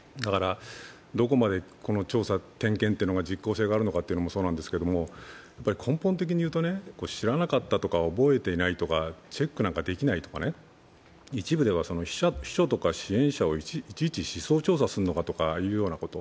どこまでこの調査、点検というのが実効性があるのかというのもそうなんですけど、根本的に言うと知らなかったとか覚えていないとかチェックなんかできないとか、一部では秘書とか支援者をいちいち思想調査するのかということ。